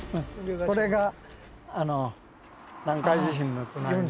これが南海地震の津波です。